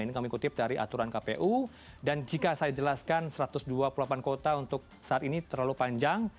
ini kami kutip dari aturan kpu dan jika saya jelaskan satu ratus dua puluh delapan kota untuk saat ini terlalu panjang